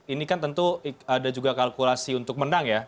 ini kan tentu ada juga kalkulasi untuk menang ya